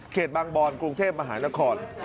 บางบอนกรุงเทพมหานคร